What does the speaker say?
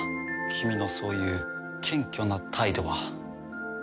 君のそういう謙虚な態度は。